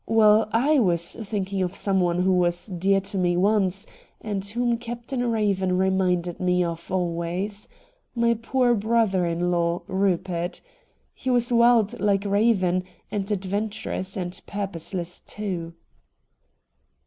Well, I was thinking of someone who was dear to me once, and whom Captain Eaven reminded me of always — my poor brother in law, Eupert. He was wild hke Eaven, and adventurous, and purposeless too.'